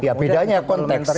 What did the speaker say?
ya bedanya konteks